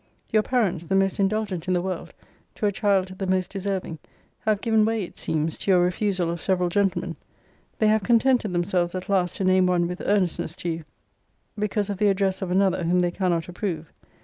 Your parents, the most indulgent in the world, to a child the most deserving, have given way it seems to your refusal of several gentlemen. They have contented themselves at last to name one with earnestness to you, because of the address of another whom they cannot approve.